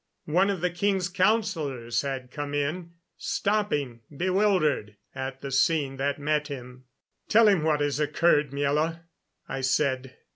One of the king's councilors had come in, stopping, bewildered, at the scene that met him. "Tell him what has occurred, Miela," I said.